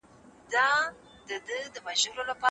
ماشومان د باور احساس کوي.